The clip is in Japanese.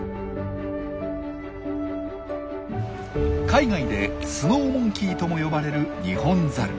海外でスノーモンキーとも呼ばれるニホンザル。